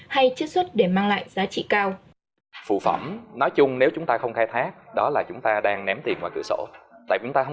hay chất xuất để mang lại giá trị cao